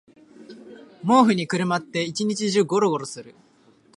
毛布にくるまって一日中ゴロゴロする